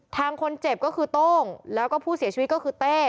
ทางคนเจ็บก็คือโต้งแล้วก็ผู้เสียชีวิตก็คือเต้